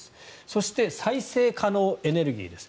そして再生可能エネルギーです。